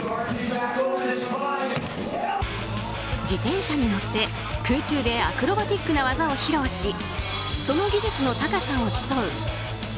自転車に乗って、空中でアクロバティックな技を披露しその技術の高さを競うＢＭＸ